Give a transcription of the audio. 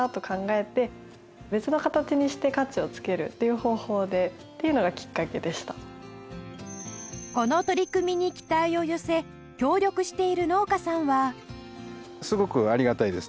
高橋さんのこの取り組みに期待を寄せ協力している農家さんは